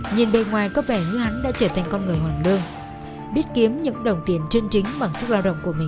nhìn bề ngoài có vẻ như hắn đã trở thành con người hoàn lương biết kiếm những đồng tiền chân chính bằng sức lao động của mình